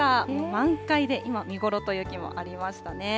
満開で今、見頃という木もありましたね。